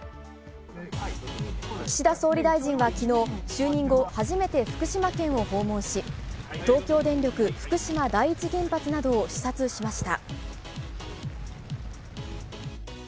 岸田総理大臣は昨日、就任後初めて福島県を訪問し、東京電力・福島第一原発などを視察しました。